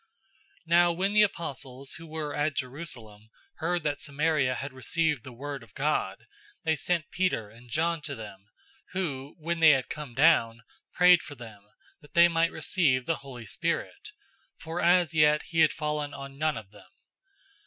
008:014 Now when the apostles who were at Jerusalem heard that Samaria had received the word of God, they sent Peter and John to them, 008:015 who, when they had come down, prayed for them, that they might receive the Holy Spirit; 008:016 for as yet he had fallen on none of them.